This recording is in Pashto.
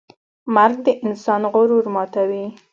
مرګ د انسان غرور ماتوي.